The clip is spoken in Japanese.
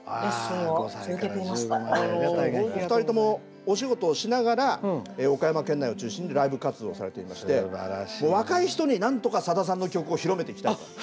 ２人ともお仕事をしながら岡山県内を中心にライブ活動をされていまして若い人になんとかさださんの曲を広めていきたいと。